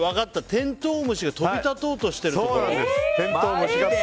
テントウムシが飛び立とうとしてるところ？